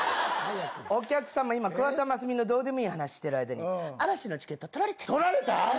お客様、今、桑田真澄のどうでもいい話してる間に、嵐のチケット取られちゃった。